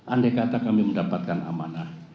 andai kata kami mendapatkan amanah